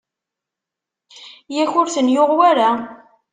Yak ur ten-yuɣ wara?